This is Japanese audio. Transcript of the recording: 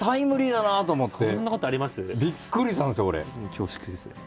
恐縮です。